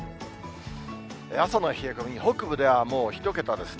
朝の冷え込み、北部ではもう、１桁ですね。